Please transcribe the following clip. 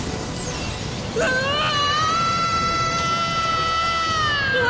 うわ！！